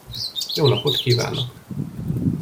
Jó napot kívánok!